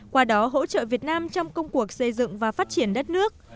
qua đó hỗ trợ việt nam trong công cuộc xây dựng và phát triển đất nước